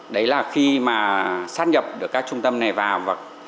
đấy là khi mà sát nhập được các trung tâm này vào